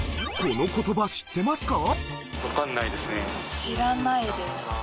この言葉知ってますか？